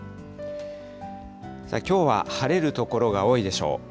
きょうは晴れる所が多いでしょう。